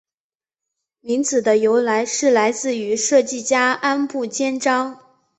名字的由来是来自于设计家安部兼章。